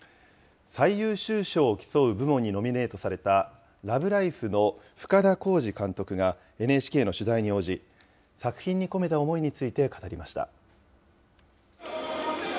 最優秀賞を競う部門にノミネートされた、ＬＯＶＥＬＩＦＥの深田晃司監督がＮＨＫの取材に応じ、作品に込めた思いについて語りました。